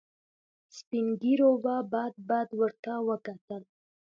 سپين ږيرو به بد بد ورته وکتل.